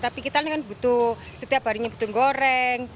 tapi kita ini kan butuh setiap harinya butuh goreng